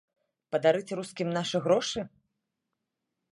Падарыць рускім нашы грошы?